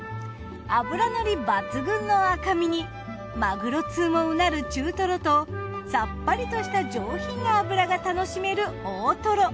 脂のり抜群の赤身にマグロ通もうなる中トロとさっぱりとした上品な脂が楽しめる大トロ。